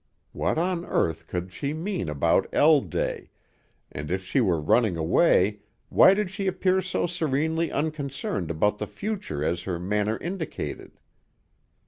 What on earth could she mean about L day, and if she were running away why did she appear so serenely unconcerned about the future as her manner indicated?